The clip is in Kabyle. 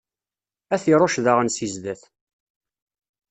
Ad t-iṛucc daɣen si zdat.